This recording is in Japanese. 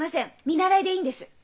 見習いでいいんです。